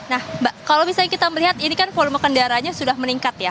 nah mbak kalau misalnya kita melihat ini kan volume kendaraannya sudah meningkat ya